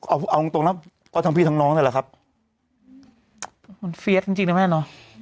เอาเอาตรงตรงนั้นเอาทั้งพี่ทั้งน้องได้หรอครับเฟีเอสจริงจริงแม่นอ๋อ